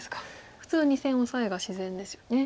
普通は２線オサエが自然ですよね。